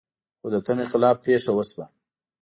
خو د تمې خلاف پېښه وشوه.